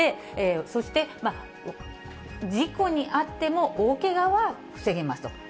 そして、事故に遭っても、大けがは防げますと。